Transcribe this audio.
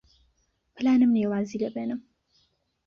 پلانم نییە وازی لێ بێنم.